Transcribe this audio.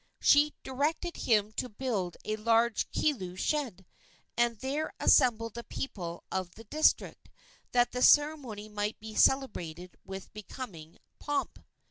She directed him to build a large kilu shed, and there assemble the people of the district, that the ceremony might be celebrated with becoming pomp.